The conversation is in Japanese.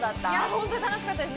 ほんとに楽しかったです。